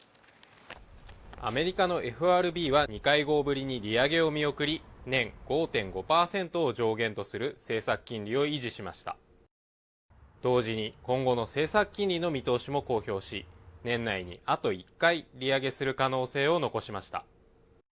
アメリカのＦＲＢは２会合ぶりに利上げを見送り年５．５％を上限とする政策金利を維持しました同時に今後の政策金利の見通しも公表し年内にあと１回利上げする可能性を残しました